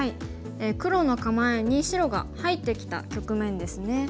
黒の構えに白が入ってきた局面ですね。